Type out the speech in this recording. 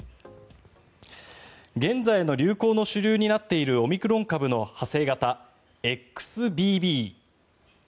現在の流行の主流になっているオミクロン株の派生型、ＸＢＢ。